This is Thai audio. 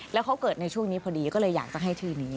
แล้วเขาเกิดในช่วงนี้พอดีก็เลยอยากจะให้ชื่อนี้